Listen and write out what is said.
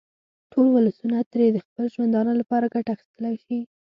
ټول ولسونه ترې د خپل ژوندانه لپاره ګټه اخیستلای شي.